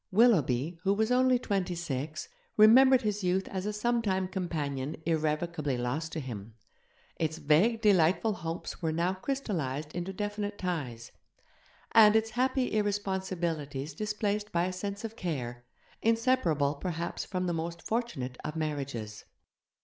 Willoughby, who was only twenty six, remembered his youth as a sometime companion irrevocably lost to him; its vague, delightful hopes were now crystallized into definite ties, and its happy irresponsibilities displaced by a sense of care, inseparable perhaps from the most fortunate of marriages.